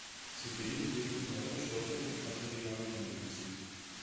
Zudem hielten neue Stoffe und Materialien Einzug.